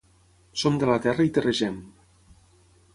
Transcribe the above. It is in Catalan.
Som de la terra i terregem.